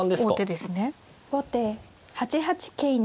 後手８八桂成。